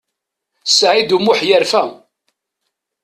Saɛid U Muḥ yerfa.